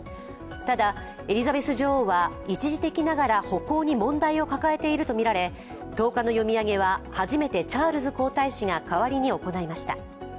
ただ、エリザベス女王は一時的ながら歩行に問題を抱えているとみられ１０日の読み上げは初めてチャールズ皇太子が代わりに行いました。